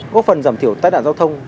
góp phần giảm thiểu tách đạn giao thông